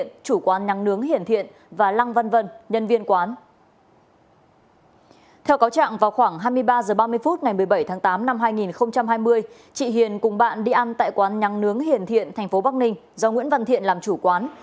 trong hai mươi ba h ba mươi phút ngày một mươi bảy tháng tám năm hai nghìn hai mươi chị hiền cùng bạn đi ăn tại quán nhăng nướng hiển thiện thành phố bắc ninh do nguyễn văn thiện làm chủ quán